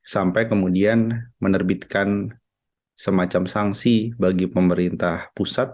sampai kemudian menerbitkan semacam sanksi bagi pemerintah pusat